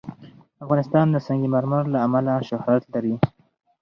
افغانستان د سنگ مرمر له امله شهرت لري.